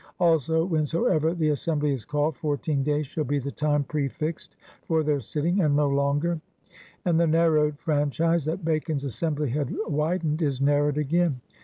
••• Also whensoever the Assembly is called fourteen days shall be the time prefixed for their sitting and no longer. " And the narrowed franchise that Bacon's Assembly had widened is narrowed again.